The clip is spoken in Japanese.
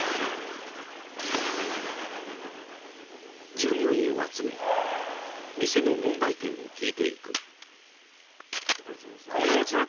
［従業員を集め店の問題点を聞いていく］